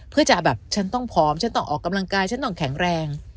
เพื่อจะแบบฉันต้องผอมฉันต้องออกกำลังกายฉันต้องแข็งแรง